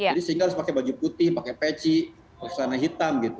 jadi sehingga harus pakai baju putih pakai peci pakai warna hitam gitu